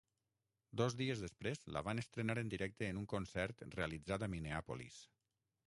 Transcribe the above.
Dos dies després la van estrenar en directe en un concert realitzat a Minneapolis.